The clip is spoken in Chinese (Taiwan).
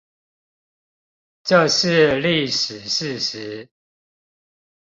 這是歷史事實